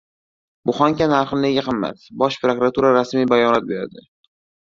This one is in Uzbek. «Buxanka» narxi nega qimmat? Bosh prokuratura rasmiy bayonot berdi